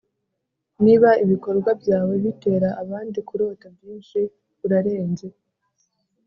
niba ibikorwa byawe bitera abandi kurota byinshi urarenze